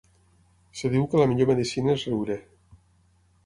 Es diu que la millor medecina és riure.